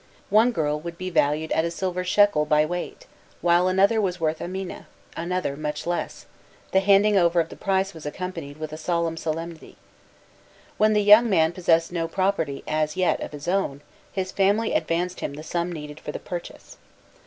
One girl would be valued at a silver shekel by weight, while another was worth a mina, another much less;* the handing over of the price was accompanied with a certain solemnity. When the young man possessed no property as yet of his own, his family advanced him the sum needed for the purchase.